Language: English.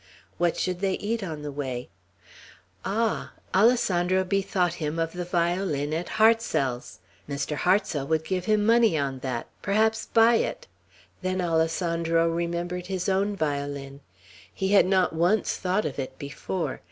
What should they eat on the ways Ah! Alessandro bethought him of the violin at Hartsel's. Mr. Hartsel would give him money on that; perhaps buy it. Then Alessandro remembered his own violin. He had not once thought of it before.